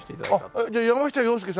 じゃあ山下洋輔さん